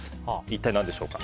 一体何でしょうか。